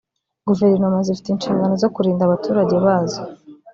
Guverinoma zifite inshingano zo kurinda abaturage bazo